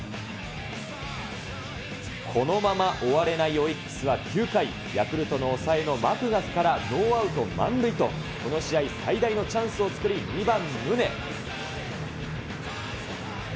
このまま終われないオリックスは９回、ヤクルトの抑えのマクガフからノーアウト満塁と、この試合、最大のチャンスを作り、２番宗。